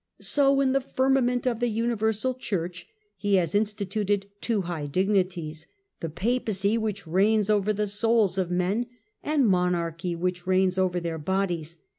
So, in the firmament of the universal Church, He has instituted two high dignities: the Papacy, which reigns over the souls of men ; and Monarchy, which reigns over their bodies.